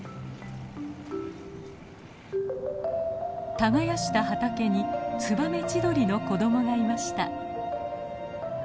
耕した畑にツバメチドリの子どもがいました。